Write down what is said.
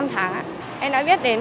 năm tháng ạ em đã biết đến